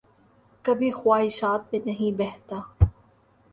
کبھی خواہشات میں نہیں بہتا